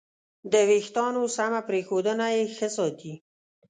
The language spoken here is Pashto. د وېښتیانو سمه پرېښودنه یې ښه ساتي.